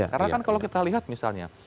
karena kan kalau kita lihat misalnya